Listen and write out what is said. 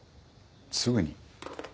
すぐに？